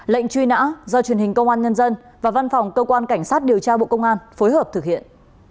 lệnh truy nã do truyền hình công an nhân dân và văn phòng cơ quan cảnh sát điều tra bộ công an phối hợp thực hiện